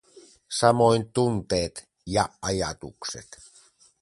Samoin tunteet ja ajatukset.